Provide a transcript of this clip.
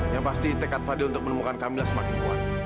yang pasti tekad fadil untuk menemukan kamila semakin kuat